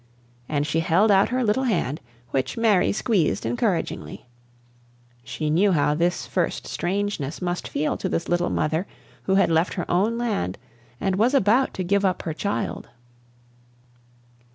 And she held out her little hand, which Mary squeezed encouragingly. She knew how this first "strangeness" must feel to this little mother who had left her own land and was about to give up her child.